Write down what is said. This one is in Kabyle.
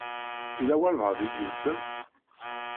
Yella walebɛaḍ i d-yusan?